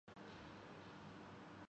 یہ تو پرانی بات ہے۔